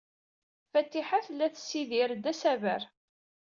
Fatiḥa tella tessidir-d asaber.